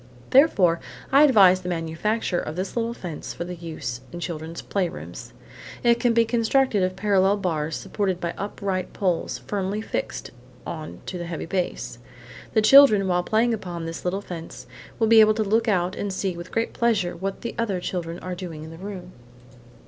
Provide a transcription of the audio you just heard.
Therefore, I advise the manufacture of this little fence for use in children's playrooms. It can be constructed of parallel bars supported by upright poles firmly fixed on to the heavy base. The children, while playing upon this little fence, will be able to look out and see with great pleasure what the other children are doing in the room.